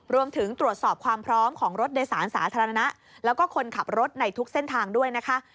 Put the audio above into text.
รวมถึงตรวจสอบความพร้อมของรถโดยสารสาธารณะแล้วก็คนขับรถในทุกเส้นทางด้วยนะคะ